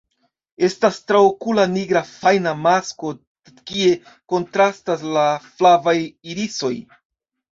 Estas traokula nigra fajna masko kie kontrastas la flavaj irisoj.